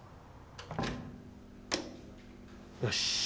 よし。